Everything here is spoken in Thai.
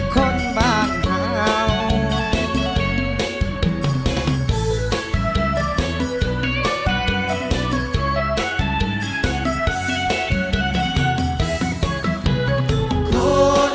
คนมาเดียวกัน